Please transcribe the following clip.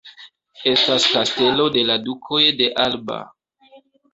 Estas Kastelo de la Dukoj de Alba.